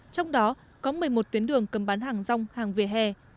trong đó có một mươi một tuyến đường cấm bán hàng rong hàng vỉa hè